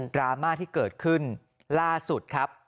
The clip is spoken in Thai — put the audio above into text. ราม่าที่เกิดขึ้นล่าสุดครับ